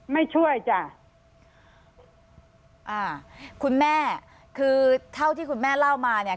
ไม่ช่วยจ้ะอ่าคุณแม่คือเท่าที่คุณแม่เล่ามาเนี่ย